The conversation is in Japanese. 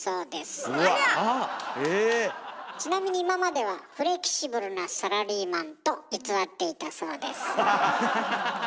ちなみに今までは「フレキシブルなサラリーマン」と偽っていたそうです。